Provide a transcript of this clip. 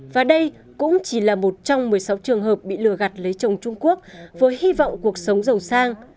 và đây cũng chỉ là một trong một mươi sáu trường hợp bị lừa gạt lấy chồng trung quốc với hy vọng cuộc sống giàu sang